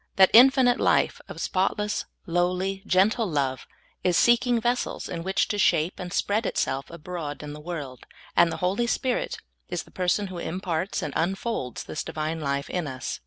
That infi nite life of spotless, lowly, gentle love is seeking ves sels in which to shape and spread itself abroad in the world, and the H0I3' Spirit is the person who imparts and unfolds this Divine life in us.